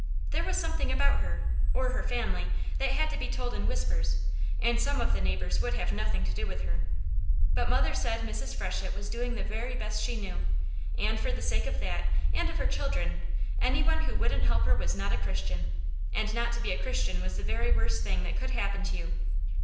There was something about her, or her family, that had to be told in whispers, and some of the neighbours would have nothing to do with her. But mother said Mrs. Freshett was doing the very best she knew, and for the sake of that, and of her children, anyone who wouldn't help her was not a Christian, and not to be a Christian was the very worst thing that could happen to you.